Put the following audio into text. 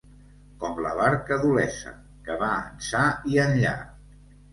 Com la barca d'Olesa, que va ençà i enllà.